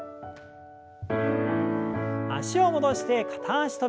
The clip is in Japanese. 脚を戻して片脚跳び。